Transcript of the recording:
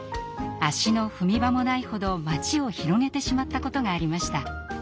足の踏み場もないほど街を広げてしまったことがありました。